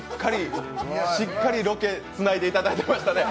しっかりロケつないでいただいてましたね。